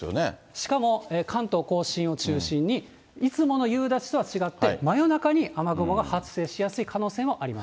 しかも関東甲信を中心に、いつもの夕立とは違って、真夜中に雨雲が発生しやすい可能性もあります。